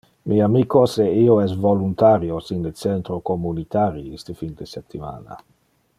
Mi amicos e io es voluntarios in le centro communitari iste fin de septimana.